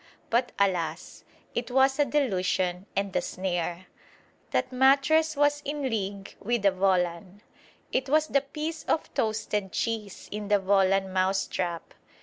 But alas! it was a delusion and a snare. That mattress was in league with the volan. It was the piece of toasted cheese in the volan mousetrap.